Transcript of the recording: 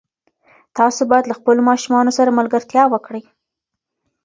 تاسو باید له خپلو ماشومانو سره ملګرتیا وکړئ.